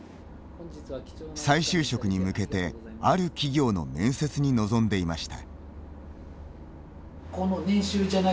再就職に向けてある企業の面接に臨んでいました。